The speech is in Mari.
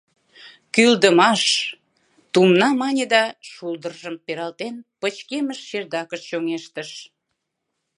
— Кӱлдымаш-ш-ш, — Тумна мане да, шулдыржым пералтен, пычкемыш чердакыш чоҥештыш.